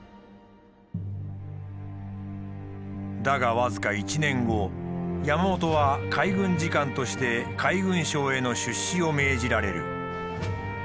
だが僅か１年後山本は海軍次官として海軍省への出仕を命じられる。